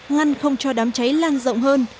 ngăn không cho đám cháy lan rộng hơn